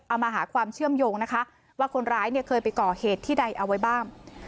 มาหาความเชื่อมโยงนะคะว่าคนร้ายเนี่ยเคยไปก่อเหตุที่ใดเอาไว้บ้าง